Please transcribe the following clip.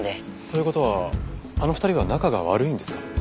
という事はあの２人は仲が悪いんですか？